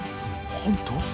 本当？